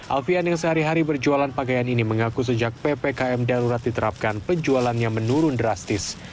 alfian yang sehari hari berjualan pakaian ini mengaku sejak ppkm darurat diterapkan penjualannya menurun drastis